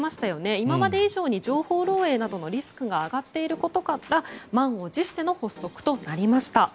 今まで以上に情報漏洩などのリスクが上がっていることから満を持しての発足となりました。